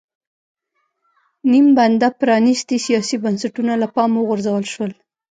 نیم بنده پرانېستي سیاسي بنسټونه له پامه وغورځول شول.